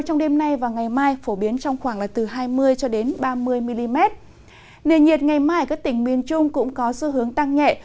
nền nhiệt ngày mai ở các tỉnh miền trung cũng có xu hướng tăng nhẹ